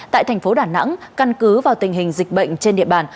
tại thành phố đà nẵng căn cứ vào tình hình dịch bệnh trên địa bàn